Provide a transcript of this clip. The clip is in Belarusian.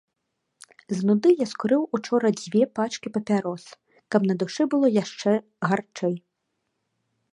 З нуды я скурыў учора дзве пачкі папярос, каб на душы было яшчэ гарчэй.